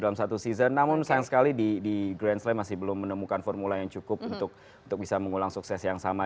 dalam satu season namun sayang sekali di grand slam masih belum menemukan formula yang cukup untuk bisa mengulang sukses yang sama